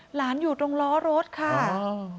อยู่ตรงล้อรถค่ะ